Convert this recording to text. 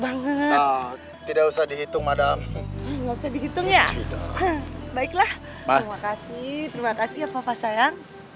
banget tidak usah dihitung ada nggak dihitung ya baiklah makasih terima kasih ya papa sayang